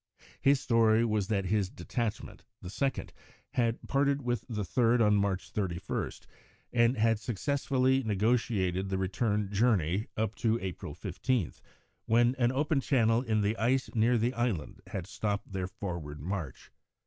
His story was that his detachment, the second, had parted with the third on March 31, and had successfully negotiated the return journey up to April 15, when an open channel in the ice near the island had stopped their forward march.